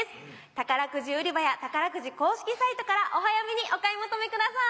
宝くじ売り場や宝くじ公式サイトからお早めにお買い求めください。